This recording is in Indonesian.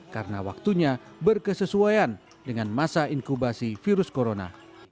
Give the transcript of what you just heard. karena waktunya berkesesuaian dengan masa inkubasi virus corona